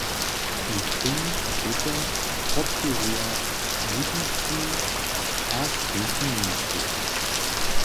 Z prěnim paketom podpěruja Łužicu a srjedźnu Němsku.